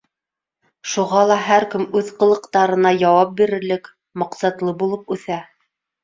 Шуға ла һәр кем үҙ ҡылыҡтарына яуап бирерлек, маҡсатлы булып үҫә.